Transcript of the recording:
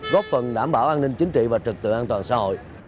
góp phần đảm bảo an ninh chính trị và trực tự an toàn xã hội